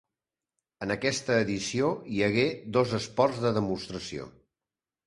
En aquesta edició hi hagué dos esports de demostració.